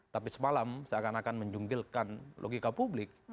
tapi semalam seakan akan menjunggilkan logika publik